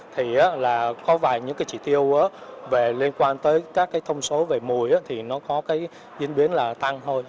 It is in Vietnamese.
thì có vài trị tiêu liên quan tới các thông số về mùi thì nó có diễn biến là tăng thôi